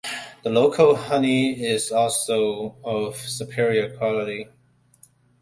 The local honey is also of superior quality.